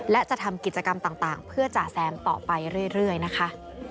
และจะทำกิจกรรมต่างเพื่อจ่าแซมต่อไปเรื่อยนะคะ